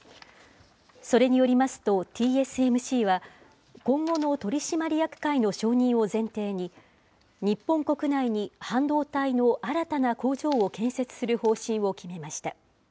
それによりますと、ＴＳＭＣは、今後の取締役会の承認を前提に、日本国内に半導体の新たな工場を建設する方針を決めました。